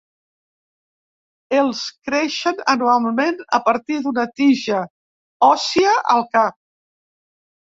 Els creixen anualment a partir d'una tija òssia al cap.